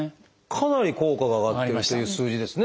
かなり効果が上がってるという数字ですね